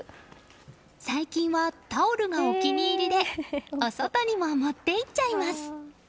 最近は、タオルがお気に入りでお外にも持っていっちゃいます。